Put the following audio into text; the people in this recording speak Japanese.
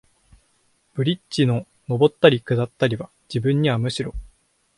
ブリッジの上ったり降りたりは、自分にはむしろ、